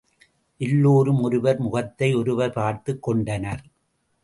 எல்லோரும் ஒருவர் முகத்தை ஒருவர் பார்த்துக் கொண்டனர்.